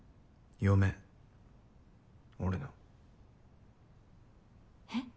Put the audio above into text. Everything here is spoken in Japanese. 嫁俺の。えっ？